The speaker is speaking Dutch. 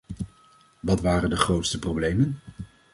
Wat waren de grootste problemen?